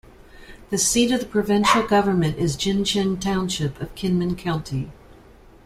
The seat of the provincial government is Jincheng Township of Kinmen County.